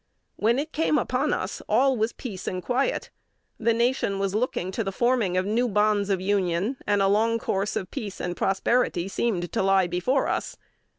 When it came upon us, all was peace and quiet. The nation was looking to the forming of new bonds of Union, and a long course of peace and prosperity seemed to lie before us.